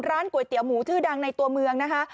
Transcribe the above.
ก๋วยเตี๋ยหมูชื่อดังในตัวเมืองนะคะ